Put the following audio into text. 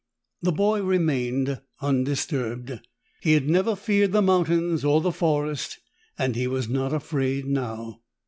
The boy remained undisturbed. He had never feared the mountains or the forest and he was not afraid now.